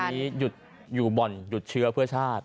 วันนี้หยุดอยู่บ่อนหยุดเชื้อเพื่อชาติ